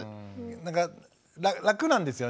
なんか楽なんですよね。